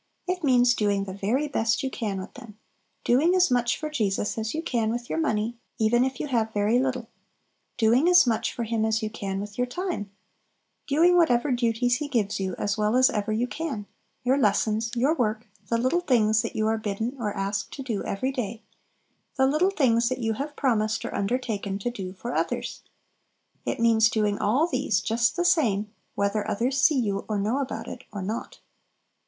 It means doing the very best you can with them; doing as much for Jesus as you can with your money, even if you have very little; doing as much for Him as you can with your time; doing whatever duties He gives you as well as ever you can, your lessons, your work, the little things that you are bidden or asked to do every day, the little things that you have promised or undertaken to do for others. It means doing all these just the same whether others see you or know about it or not.